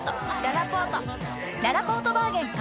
ららぽーとバーゲン開催！